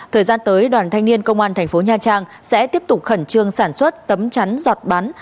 thời gian tới đoàn thanh niên công an thành phố nha trang sẽ tiếp tục khẩn trương sản xuất tấm chắn giọt bắn